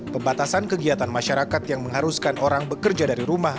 pembatasan kegiatan masyarakat yang mengharuskan orang bekerja dari rumah